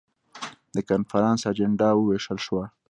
د کنفرانس اجندا وویشل شول.